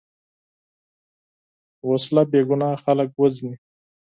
وسله بېګناه خلک وژني